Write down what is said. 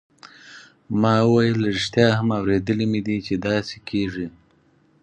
ما وویل ریښتیا هم اوریدلي مې دي چې داسې کیږي.